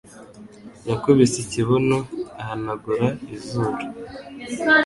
Yakubise ikibuno ahanagura izuru.